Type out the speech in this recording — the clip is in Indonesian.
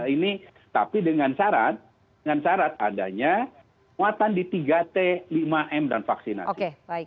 ini tapi dengan syarat adanya kekuatan di tiga t lima m dan vaksinasi